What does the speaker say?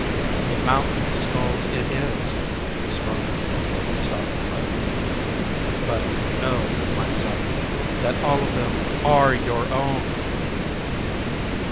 "A mountain of skulls it is," responded the Bodhisattva. "But know, my son, that all of them ARE YOUR OWN!